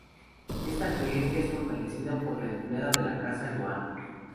Esta creencia es fortalecida por la empleada de la casa, Johanna.